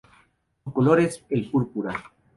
Su color es el púrpura.